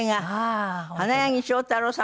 花柳章太郎さんも女装。